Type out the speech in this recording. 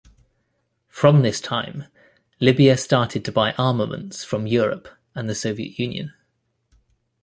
From this time, Libya started to buy armaments from Europe and the Soviet Union.